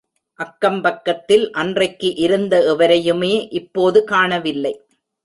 அக்கம்பக்கத்தில் அன்றைக்கு இருந்த எவரையுமே, இப்போது காணவில்லை.